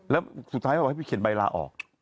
แล้วสุดท้ายเขาบอกให้ไปเขียนใบลาออก